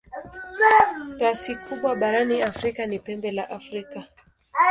Rasi kubwa barani Afrika ni Pembe la Afrika.